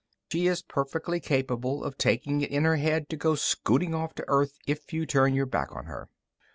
She is perfectly capable of taking it in her head to go scooting off to Earth if you turn your back on her."